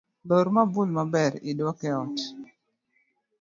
Lor mabul maber iduok eot